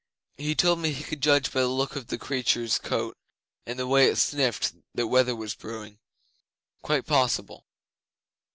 'He told me he could judge by the look of the creature's coat and the way it sniffed what weather was brewing. Quite possible.